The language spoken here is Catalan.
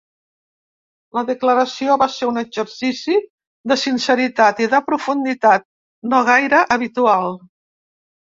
La declaració va ser un exercici de sinceritat i de profunditat no gaire habitual.